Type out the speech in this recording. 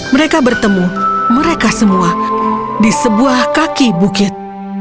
mereka bertemu mereka semua di sebuah kaki bukit